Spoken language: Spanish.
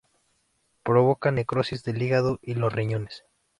Provocan necrosis del hígado y los riñones.